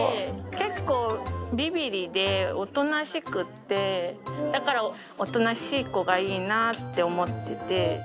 結構びびりで、おとなしくって、だから、おとなしい子がいいなって思ってて。